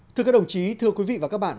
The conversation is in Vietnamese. thưa các đồng chí thưa quý vị và các bạn